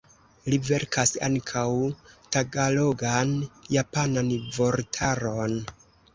Li verkas ankaŭ tagalogan-japanan vortaron.